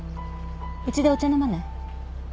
うちでお茶飲まない？